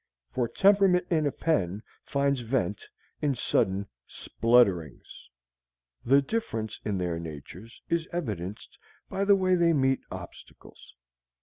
For temperament in a pen finds vent in sudden splutterings. The difference in their natures is evidenced by the way they meet obstacles.